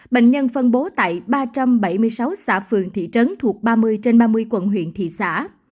bệnh nhân phân bố tại ba trăm bảy mươi sáu xã phường thị trấn thuộc ba mươi trên ba mươi quận huyện thị xã